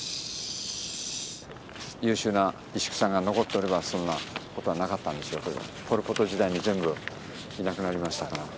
優秀な石工さんが残っておればそんなことはなかったんでしょうけどポル・ポト時代に全部いなくなりましたから。